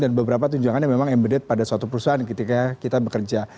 dan beberapa tunjangan yang memang embedded pada suatu perusahaan ketika kita bekerja